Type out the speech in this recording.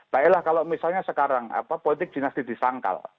baiklah kalau misalnya sekarang politik dinasti disangkal